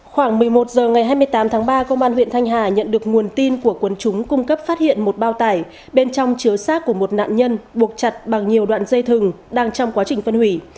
khoảng một mươi một h ngày hai mươi tám tháng ba công an huyện thanh hà nhận được nguồn tin của quân chúng cung cấp phát hiện một bao tải bên trong chứa sát của một nạn nhân buộc chặt bằng nhiều đoạn dây thừng đang trong quá trình phân hủy